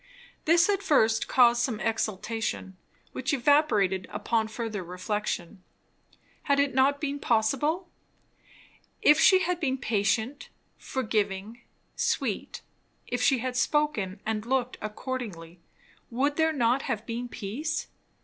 This at first caused some exultation, which evaporated upon further reflection. Had it not been possible? If she had been patient, forgiving, sweet; if she had spoken and looked accordingly; would there not have been peace?